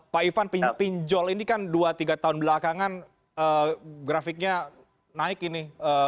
pak ivan pinjol ini kan dua tiga tahun belakangan grafiknya naik ini